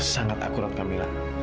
sangat akurat kak mila